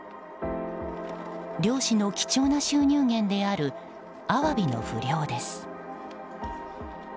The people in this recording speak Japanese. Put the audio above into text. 漁師の貴重な収入源であるアワビの不漁です。